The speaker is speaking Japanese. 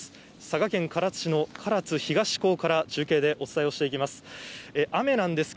佐賀県唐津市の唐津東港から、中継でお伝えをしていきます。